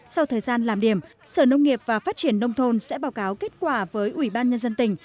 sau thời gian làm điểm sở nông nghiệp và phát triển nông thôn sẽ báo cáo kết quả với ủy ban nhân dân tỉnh